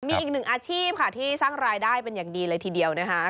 มีอีกหนึ่งอาชีพค่ะที่สร้างรายได้เป็นอย่างดีเลยทีเดียวนะคะ